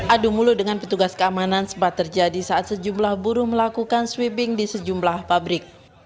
adu mulu dengan petugas keamanan sempat terjadi saat sejumlah buruh melakukan sweeping di sejumlah pabrik